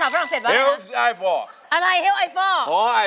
ฝรั่งฝรั่งเศสวะนะฮะ